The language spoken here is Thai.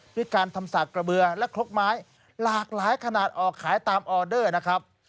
ด้วยการทำสากระเบือและครกไม้หลากหลายขนาดออกขายตามออเดอร์นะครับ